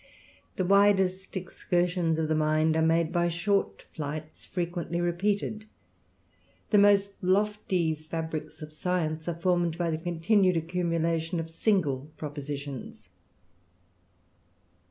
The widest excursions of the mind are made by short flights frequently repeated; the most lofty fabricks of science are formed by the continued accumulation of single propositions.